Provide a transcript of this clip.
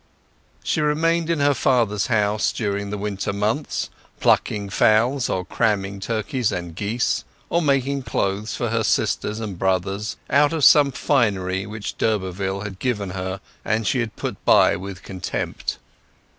She remained at her father's house during the winter months, plucking fowls, or cramming turkeys and geese, or making clothes for her sisters and brothers out of some finery which d'Urberville had given her, and she had put by with contempt.